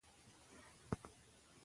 کلي د ځانګړې جغرافیې استازیتوب کوي.